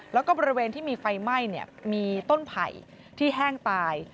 แล้วก็บริเวณที่มีไฟไหม้มีต้นไผ่ที่แห้งตาย